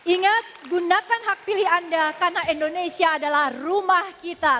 ingat gunakan hak pilih anda karena indonesia adalah rumah kita